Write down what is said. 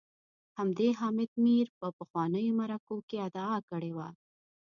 همدې حامد میر په پخوانیو مرکو کي ادعا کړې وه